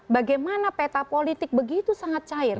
bagaimana peta politik begitu sangat cair